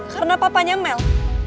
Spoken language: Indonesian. karena papanya mel